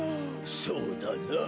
そうだな。